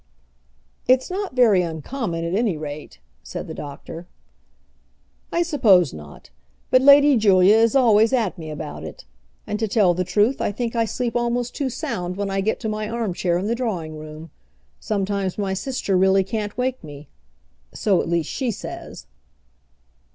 "It's not very uncommon at any rate," said the doctor. "I suppose not; but Lady Julia is always at me about it. And, to tell the truth, I think I sleep almost too sound when I get to my arm chair in the drawing room. Sometimes my sister really can't wake me; so, at least, she says."